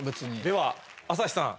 では朝日さん。